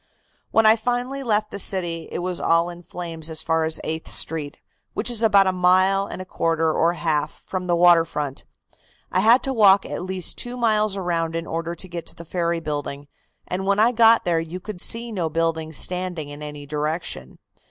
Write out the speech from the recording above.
"When I finally left the city, it was all in flames as far as Eighth Street, which is about a mile and a quarter or half from the water front. I had to walk at least two miles around in order to get to the ferry building, and when I got there you could see no buildings standing in any direction.